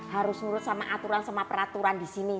harus nurut sama aturan sama peraturan di sini